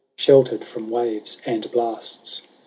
Sheltered from waves and blasts.